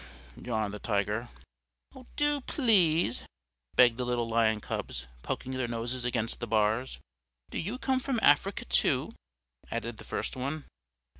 "Ee yow!" yawned the Tiger. "Do, please," begged the little Lion Cubs, poking their noses against the bars. "Do you come from Africa, too?" added the first one.